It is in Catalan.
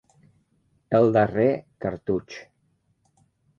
El darrer cartutx.